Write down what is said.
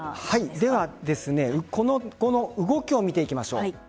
では、動きを見ていきましょう。